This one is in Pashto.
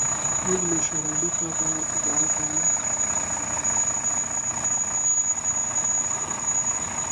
موږ له شېر علي پرته ګوزاره کولای شو.